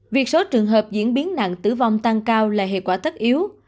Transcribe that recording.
việc số trường hợp diễn biến nặng tử vong tăng cao là hệ quả tất yếu